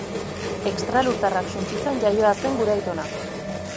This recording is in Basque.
Extralurtarrak suntsitzen iaioa zen gure Aitona.